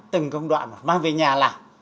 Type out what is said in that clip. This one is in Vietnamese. từng công đoạn mang về nhà làm